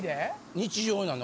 日常なの？